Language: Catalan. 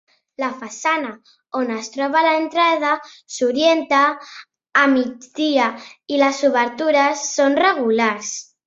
La façana on es troba l'entrada s'orienta a migdia i les obertures són regulars.